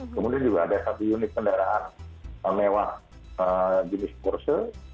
kemudian juga ada satu unit kendaraan mewah jenis corsa